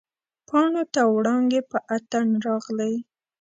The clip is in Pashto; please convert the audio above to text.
پاڼو ته وړانګې په اتڼ راغلي